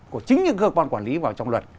của chính những cơ quan quản lý vào trong luật